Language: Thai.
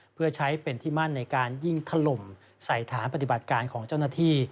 เพื่อใช้เป็นที่มั่นในการยิงถล่มใส่ฐานปฏิบัติการของเจ้าหน้าที่